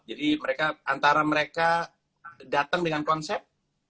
jadi mereka antara mereka datang dengan konsep